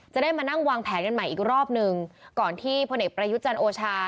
จะได้มานั่งวางแผนกันใหม่อีกรอบหนึ่งก่อนที่พลเอกประยุทธ์จันทร์โอชา